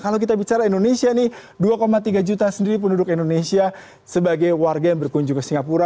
kalau kita bicara indonesia nih dua tiga juta sendiri penduduk indonesia sebagai warga yang berkunjung ke singapura